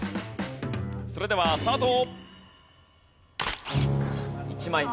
それではスタート！